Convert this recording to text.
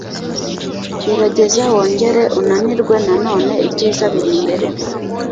gerageza wongere unanirwe nanone ibyiza biri imbere .